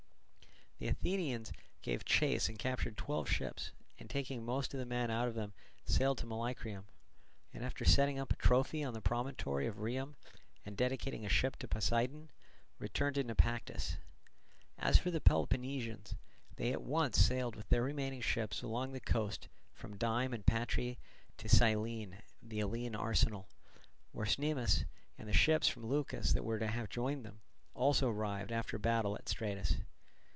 The Athenians gave chase and captured twelve ships, and taking most of the men out of them sailed to Molycrium, and after setting up a trophy on the promontory of Rhium and dedicating a ship to Poseidon, returned to Naupactus. As for the Peloponnesians, they at once sailed with their remaining ships along the coast from Dyme and Patrae to Cyllene, the Eleian arsenal; where Cnemus, and the ships from Leucas that were to have joined them, also arrived after the battle at Stratus.